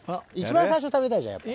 最初に食べたいじゃんやっぱ。